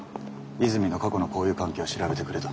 泉の過去の交友関係を調べてくれと。